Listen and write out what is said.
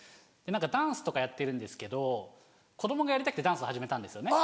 ダンスとかやってるんですけど子供がやりたくてダンスを始めたんですよね。